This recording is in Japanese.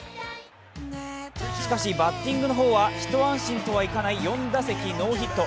しかしバッティングの方は一安心とはいかない４打席ノーヒット。